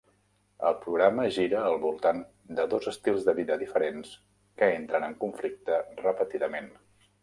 El programa gira al voltant de dos estils de vida diferents que entren en conflicte repetidament.